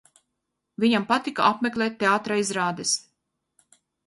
Viņam patika apmeklēt teātra izrādes